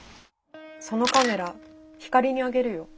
そのカメラヒカリにあげるよ。